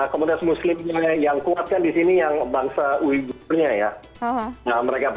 komunitas muslimnya yang kuat kan di sini yang bangsa uyghurnya ya